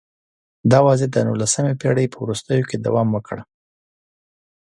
دا وضعیت د نولسمې پېړۍ په وروستیو کې دوام وکړ